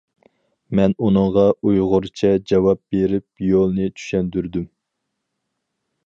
مەن ئۇنىڭغا ئۇيغۇرچە جاۋاب بېرىپ يولنى چۈشەندۈردۈم.